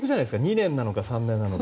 ２年なのか、３年なのか。